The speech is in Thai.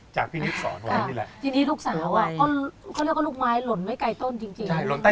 จากพี่นิดสอนไว้นี่แหละ